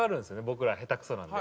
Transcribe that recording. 僕ら下手くそなんで。